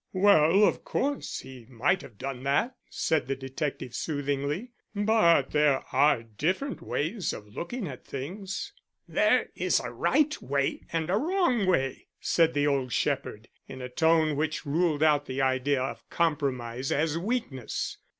"Well, of course, he might have done that," said the detective soothingly. "But there are different ways of looking at things." "There is a right way and a wrong way," said the old shepherd, in a tone which ruled out the idea of compromise as weakness.